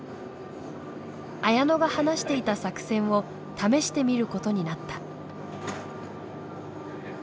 綾乃が話していた作戦を試してみることになった。